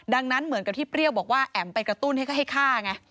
ดังนั้นเหมือนกับที่เปรี้ยวบอกว่าแอ๋มไปกระตุ้นให้ฆ่าไง